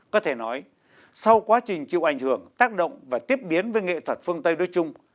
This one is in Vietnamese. có thể nói sau quá trình chịu ảnh hưởng tác động và tiếp biến với nghệ thuật phương tây đối chung